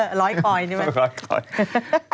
เฮ้อฮร้อยคอยส์